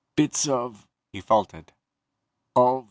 "Bits of ..." He faltered. "Of